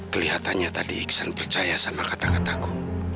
kelihatannya tadi iksan percaya sama kata kataku